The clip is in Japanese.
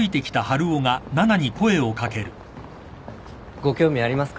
ご興味ありますか？